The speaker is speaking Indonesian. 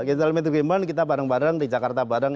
gentleman agreement kita bareng bareng di jakarta bareng